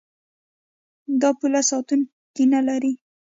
دا پوله ساتونکي نلري.